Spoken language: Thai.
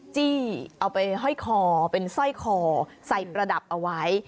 จี้เอาไปห้อยคอเป็นสร้อยคอใส่ประดับเอาไว้